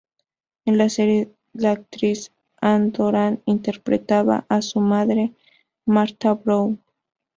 En la serie, la actriz Ann Doran interpretaba a su madre, Martha Brown.